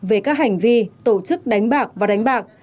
về các hành vi tổ chức đánh bạc và đánh bạc